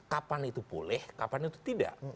kapan itu pulih kapan itu tidak